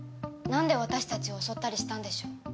なんで私たちを襲ったりしたんでしょう？